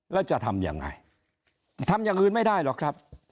แล้วจะทำยังไงทำอย่างอื่นไม่ได้หรอกครับ